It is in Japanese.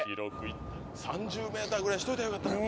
３０ｍぐらいにしといたらよかったのに。